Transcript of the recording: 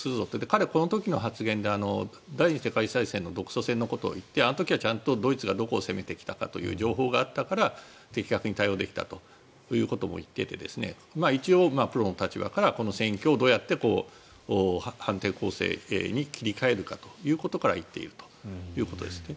彼はこの時の発言で第２次世界大戦の独ソ戦のことを言っていてあの時はちゃんとドイツが攻めてきたかという情報があったから的確に対応できたということも言っていて一応、プロの立場からこの戦況をどうやって反転攻勢に切り替えるかということから言っているということですね。